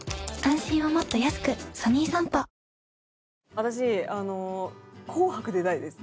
私『紅白』出たいです